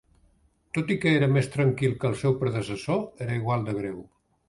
Tot i que era més tranquil que el seu predecessor, era igual de greu.